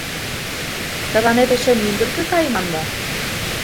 Тыланет эше мӱндыркӧ кайыман мо?